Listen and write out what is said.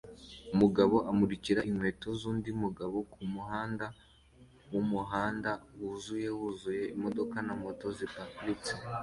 Umugabo amurikira inkweto zundi mugabo kumuhanda wumuhanda wuzuye wuzuye imodoka na moto ziparitse